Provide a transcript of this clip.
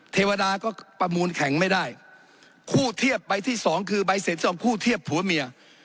เทวดาก็ประมูลแข็งไม่ได้คู่เทียบใบที่สองคือใบเสร็จสองคู่เทียบผัวเมีย